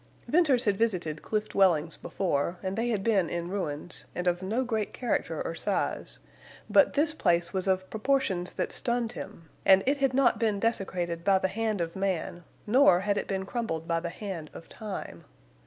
Venters had visited cliff dwellings before, and they had been in ruins, and of no great character or size but this place was of proportions that stunned him, and it had not been desecrated by the hand of man, nor had it been crumbled by the hand of time.